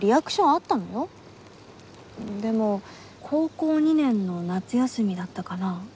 でも高校２年の夏休みだったかな？